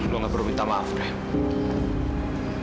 lo gak perlu minta maaf fred